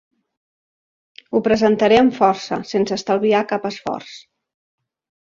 Ho presentaré amb força, sense estalviar cap esforç.